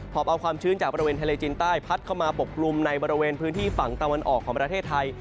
อบเอาความชื้นจากบริเวณทะเลจีนใต้พัดเข้ามาปกกลุ่มในบริเวณพื้นที่ฝั่งตะวันออกของประเทศไทย